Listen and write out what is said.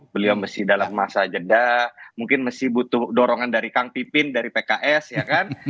beliau masih dalam masa jeda mungkin masih butuh dorongan dari kang pipin dari pks ya kan